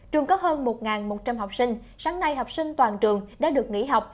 trường có hơn một một trăm linh học sinh sáng nay học sinh toàn trường đã được nghỉ học